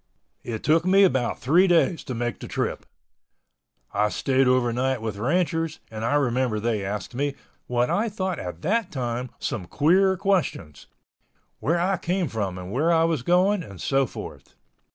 It took me about three days to make the trip. I stayed over night with ranchers and I remember they asked me, what I thought at that time, some queer questions—where I came from and where I was going, and so forth.